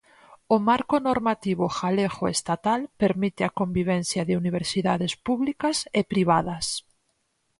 O marco normativo galego e estatal permite a convivencia de universidades públicas e privadas.